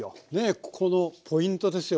ここのポイントですよ